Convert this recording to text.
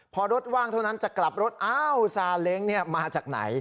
พอรถว่างเท่านั้นจะกลับรถอ้าวซาเล้งมาจากไหน